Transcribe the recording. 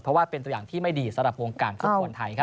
เพราะว่าเป็นตัวอย่างที่ไม่ดีสำหรับวงการฟุตบอลไทย